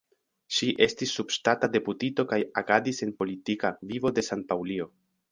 Ŝi estis subŝtata deputito kaj agadis en politika vivo de San-Paŭlio.